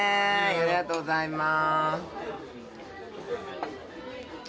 ありがとうございます。